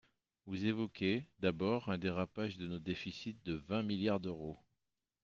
Vous évoquez, d’abord, un dérapage de nos déficits de vingt milliards d’euros.